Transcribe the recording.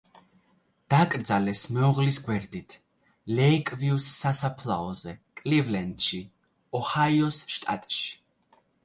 დაკრძალეს მეუღლის გვერდით, ლეიკ-ვიუს სასაფლაოზე კლივლენდში, ოჰაიოს შტატში.